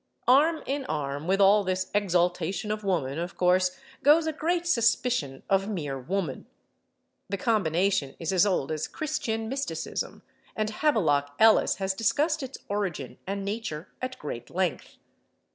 Arm in arm with all this exaltation of Woman, of course, goes a great suspicion of mere woman. The combination is as old as Christian mysticism, and Havelock Ellis has discussed its origin and nature at great length.